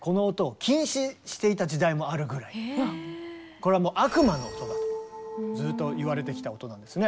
これはもう「悪魔の音」だとずっといわれてきた音なんですね。